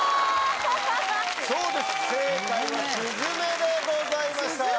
そうです正解はスズメでございました。